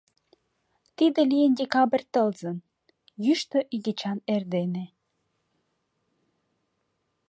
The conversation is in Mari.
Тиде лийын декабрь тылзын, йӱштӧ игечан эрдене.